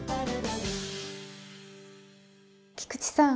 菊池さん